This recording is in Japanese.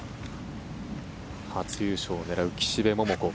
初優勝を狙う岸部桃子。